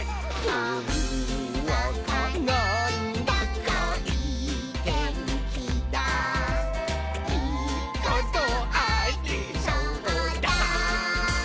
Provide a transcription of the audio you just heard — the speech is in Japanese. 「ほんわかなんだかいいてんきだいいことありそうだ！」